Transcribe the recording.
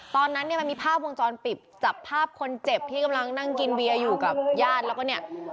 ตอนนั้นเนี่ยมันมีภาพวงจรปิดจับภาพคนเจ็บที่กำลังนั่งกินเบียร์อยู่กับญาติแล้วก็เนี่ย